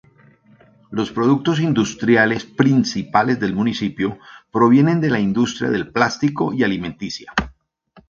Los productos industriales principales del municipio provienen de la industria del plástico y alimenticia.